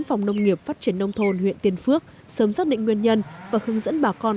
phòng nông nghiệp phát triển nông thôn huyện tiên phước sớm xác định nguyên nhân và hướng dẫn bà con